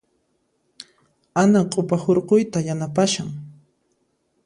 Ana q'upa hurquyta yanapashan.